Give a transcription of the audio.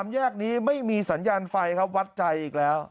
แยกนี้ไม่มีสัญญาณไฟครับวัดใจอีกแล้ว